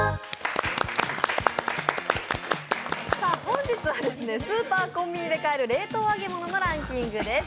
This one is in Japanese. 本日はスーパー、コンビニで買える冷凍揚げ物のランキングです。